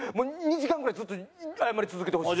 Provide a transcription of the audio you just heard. ２時間ぐらいずっと謝り続けてほしい。